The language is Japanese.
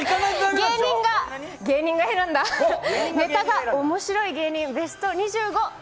芸人が選んだネタが面白い芸人ベスト２５。